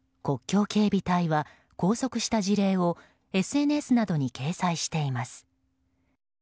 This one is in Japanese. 国境警備隊は拘束した事例をＳＮＳなどに掲載しています。